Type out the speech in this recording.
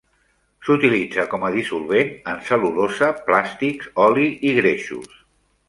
S'utilitza com a dissolvent en cel·lulosa, plàstics, oli i greixos.